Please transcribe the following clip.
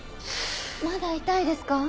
まだ痛いですか？